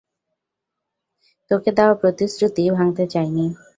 তোকে দেওয়া প্রতিশ্রুতি ভাঙতে চাইনি।